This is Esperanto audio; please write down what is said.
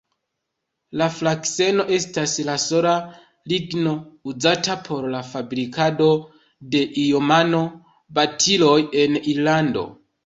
La frakseno estas la sola ligno uzata por la fabrikado de iomano-batiloj en Irlando.